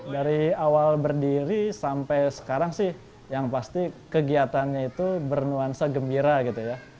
dari awal berdiri sampai sekarang sih yang pasti kegiatannya itu bernuansa gembira gitu ya